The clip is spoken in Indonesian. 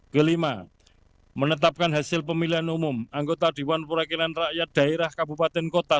kelima menetapkan hasil pemilihan umum anggota dewan perwakilan rakyat daerah kabupaten kota